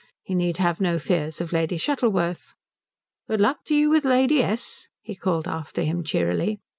He need have no fears of Lady Shuttleworth. "Good luck to you with Lady S.!" he called after him cheerily.